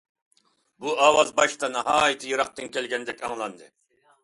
بۇ ئاۋاز باشتا ناھايىتى يىراقتىن كەلگەندەك ئاڭلاندى.